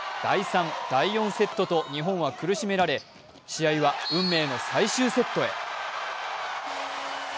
第３、第４セットと日本は苦しめられ、試合は運命の最終セットへ。